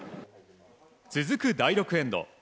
続く第６エンド。